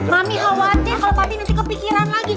mami khawatir kalau pami nanti kepikiran lagi